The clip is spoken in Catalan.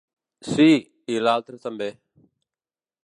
Sí, i l'altre també.